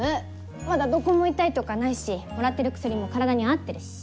まだどこも痛いとかないしもらってる薬も体に合ってるし。